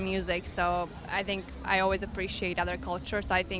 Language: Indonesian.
jadi saya pikir saya selalu menghargai kultur lain